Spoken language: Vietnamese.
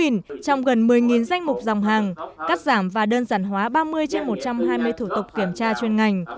nhìn danh mục dòng hàng cắt giảm và đơn giản hóa ba mươi trên một trăm hai mươi thủ tục kiểm tra chuyên ngành